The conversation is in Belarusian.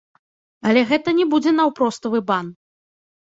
Але гэта не будзе наўпроставы бан.